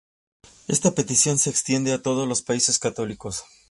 Esta petición se extiende a todos los países católicos.